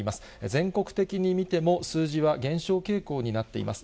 全国的に見ても、数字は減少傾向になっています。